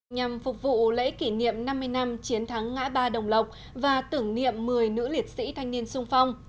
nhằm phục vụ lễ kỷ niệm năm mươi năm chiến thắng ngã ba đồng lộc và tưởng niệm một mươi nữ liệt sĩ thanh niên sung phong